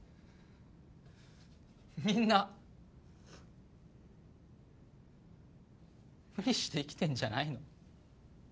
みんな無理して生きてんじゃないの？